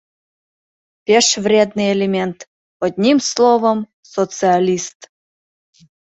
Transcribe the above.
Пеш вредный элемент, одним словом, социалист!